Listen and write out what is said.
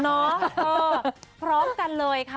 เนาะพร้อมกันเลยค่ะ